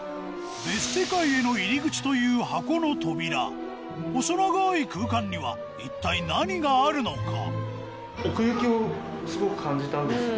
別世界への入口という箱の扉細長い空間には一体何があるのか？